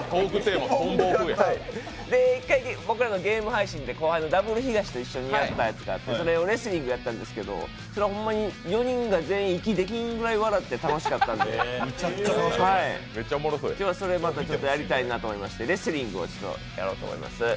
１回、僕らのゲーム配信で後輩と一緒にそれレスリングやったんですけど、４人が息できないぐらい笑って楽しかったんで、今日はそれをまたやりたいなと思いましてレスリングをやろうと思います。